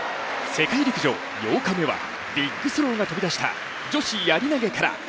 世界陸上８日目はビッグスローが飛び出した、女子やり投から。